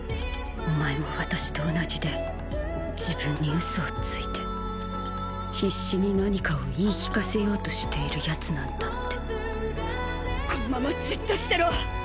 お前も私と同じで自分に嘘をついて必死に何かを言い聞かせようとしているヤツなんだってこのままじっとしてろ。